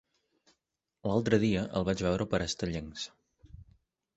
L'altre dia el vaig veure per Estellencs.